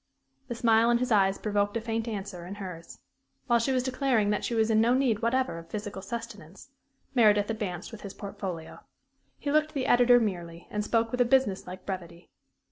The smile in his eyes provoked a faint answer in hers. While she was declaring that she was in no need whatever of physical sustenance, Meredith advanced with his portfolio. He looked the editor merely, and spoke with a business like brevity.